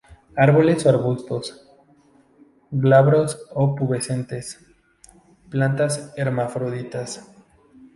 Árboles o arbustos, glabros o pubescentes; plantas hermafroditas.